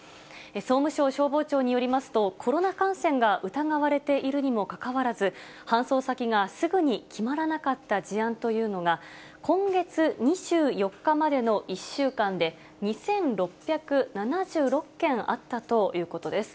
総務省消防庁によりますと、コロナ感染が疑われているにもかかわらず、搬送先がすぐに決まらなかった事案というのが、今月２４日までの１週間で２６７６件あったということです。